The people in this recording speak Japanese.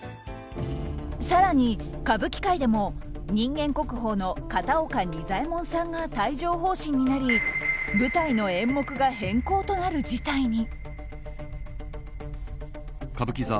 更に歌舞伎界でも人間国宝の片岡仁左衛門さんが帯状疱疹になり舞台の演目が変更となる事態に。